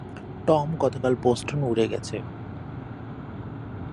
Tom গতকাল Boston উড়ে গেছে।